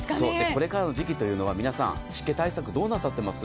これからの時期は皆さん、湿気対策どうなさってます？